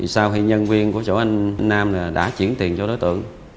sau khi nhân viên của chỗ anh nam đã chuyển tiền cho đối tượng